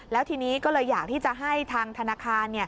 แล้วทีนี้ก็เลยอยากที่จะให้ทางธนาคาร